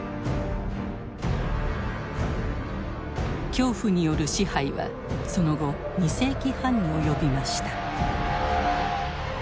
恐怖による支配はその後２世紀半に及びました。